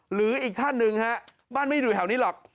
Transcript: หรืออีกท่านหนึ่งฮะบ้านไม่ได้อยู่แถวนี้หรอก